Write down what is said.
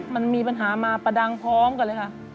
มันมีปัญหามายน่ะพรดังท้อมกันเลยค่ะ